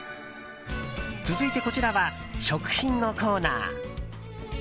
続いて、こちらは食品のコーナー。